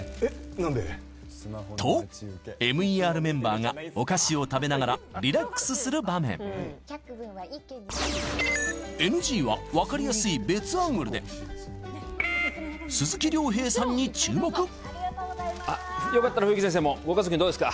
何で？とＭＥＲメンバーがお菓子を食べながらリラックスする場面ＮＧは分かりやすい別アングルで鈴木亮平さんに注目よかったら冬木先生もご家族にどうですか？